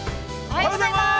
◆おはようございます。